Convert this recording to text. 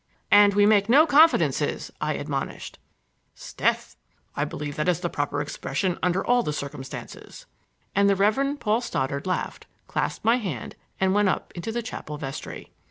"And we make no confidences!" I admonished. "'Sdeath!—I believe that is the proper expression under all the circumstances." And the Reverend Paul Stoddard laughed, clasped my hand and went up into the chapel vestry.